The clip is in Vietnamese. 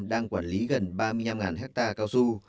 đang quản lý gần ba mươi năm hectare cao su